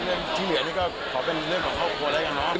ที่เหลือนี่ก็ขอเป็นเรื่องของครอบครัวแล้วกันเนาะ